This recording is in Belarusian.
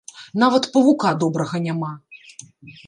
Нават павука добрага няма.